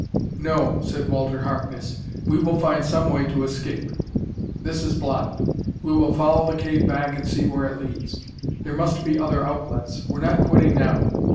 "No," said Walter Harkness: "we will find some way to escape. This is blocked. We will follow the cave back and see where it leads. There must be other outlets. We're not quitting now."